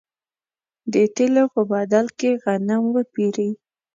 د تېلو په بدل کې غنم وپېري.